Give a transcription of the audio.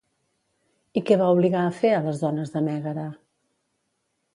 I què va obligar a fer a les dones de Mègara?